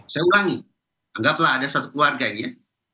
saya ulangi anggaplah ada satu keluarga ini ya